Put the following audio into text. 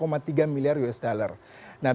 bagaimana cara mencari investasi yang mahal